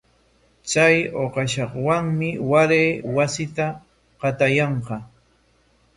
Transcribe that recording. Chay uqashawanmi waray wasita qatayanqa.